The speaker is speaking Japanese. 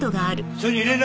署に連絡！